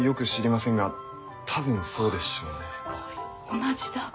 同じだ。